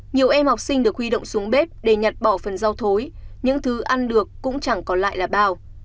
nhiều em học sinh được huy động xuống bếp để nhặt bỏ phần rau thối những thứ ăn được cũng chẳng còn lại là bao